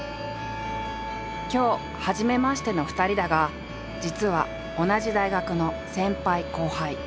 今日はじめましての２人だが実は同じ大学の先輩後輩。